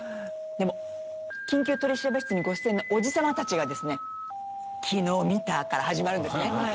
でも『緊急取調室』にご出演のおじ様たちがですね「昨日見た？」から始まるんですね。